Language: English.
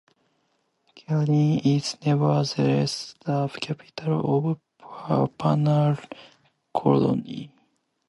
Cayenne is nevertheless the capital of the penal colony.